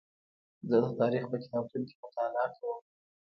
زه د تاریخ په کتابتون کې مطالعه کوم.